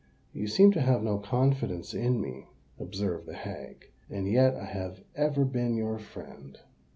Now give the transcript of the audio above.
"You seem to have no confidence in me," observed the hag; "and yet I have ever been your friend."